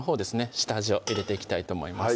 下味を入れていきたいと思います